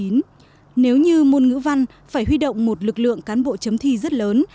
nếu như môn ngữ văn phải huy động một lực lượng cán bộ chấm thi rất lớn